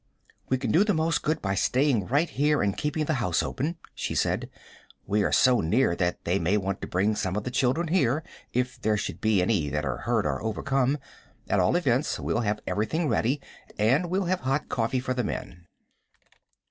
"We can do the most good by staying right here and keeping the house open," she said. "We are so near that they may want to bring some of the children here, if there should be any that are hurt or overcome. At all events, we'll have everything ready, and we'll have hot coffee for the men."